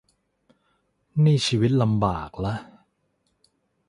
นี่ชีวิตลำบากละ